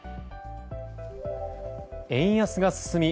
円安が進み